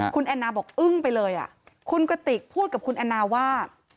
คุณแอนนาบอกอึ้งไปเลยคุณกติกพูดกับคุณแอนนาว่า